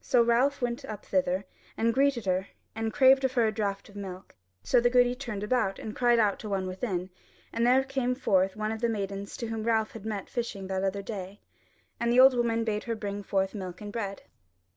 So Ralph went up thither, and greeted her, and craved of her a draught of milk; so the goody turned about and cried out to one within, and there came forth one of the maidens whom Ralph had met fishing that other day, and the old woman bade her bring forth milk and bread.